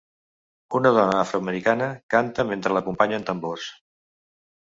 Una dona afroamericana canta mentre l'acompanyen tambors